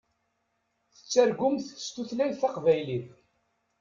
Tettargumt s tutlayt taqbaylit.